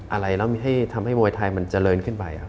อะไรแล้วทำให้มวยไทยมันเจริญขึ้นไป